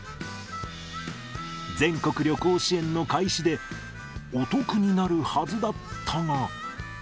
全国旅行支援の開始で、お得になるはずだったが。